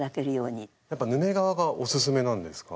やっぱヌメ革がおすすめなんですか？